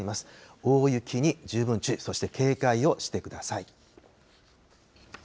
大雪に十分注意、そして警戒をしてください。